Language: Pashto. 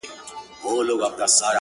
پرون مي غوښي د زړگي خوراك وې’